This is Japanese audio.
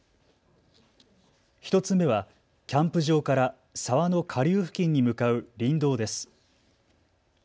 １つ目はキャンプ場から沢の下流付近に向かう林道です。